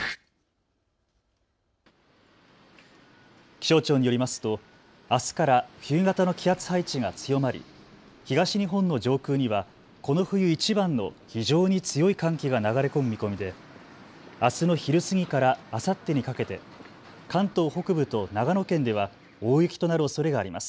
気象庁によりますと、あすから冬型の気圧配置が強まり東日本の上空にはこの冬いちばんの非常に強い寒気が流れ込む見込みであすの昼過ぎからあさってにかけて関東北部と長野県では大雪となるおそれがあります。